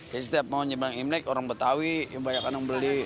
jadi setiap mau nyembelang imlek orang betawi yang banyak kan yang beli